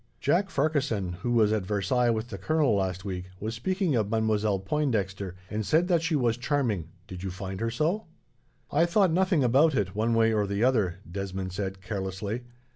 "Jack Farquharson, who was at Versailles with the colonel last week, was speaking of Mademoiselle Pointdexter, and said that she was charming. Did you find her so?" "I thought nothing about it, one way or the other," Desmond said, carelessly.